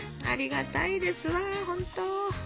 ありがたいですわほんと。